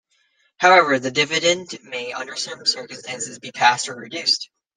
However, the dividend may under some circumstances be passed or reduced.